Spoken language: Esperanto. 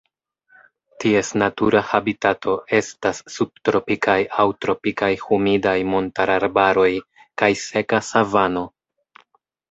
Ties natura habitato estas subtropikaj aŭ tropikaj humidaj montararbaroj kaj seka savano.